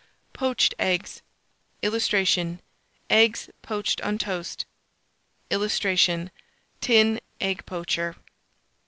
POACHED EGGS. [Illustration: EGGS POACHED ON TOAST.] [Illustration: TIN EGG POACHER.